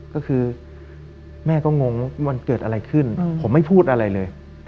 ก็คือแม่ก็งงว่ามันเกิดอะไรขึ้นผมไม่พูดอะไรเลย